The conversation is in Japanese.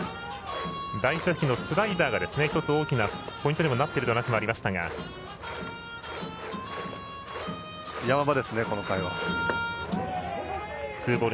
第１打席のスライダーが１つ大きなポイントになっている山場ですね、この回は。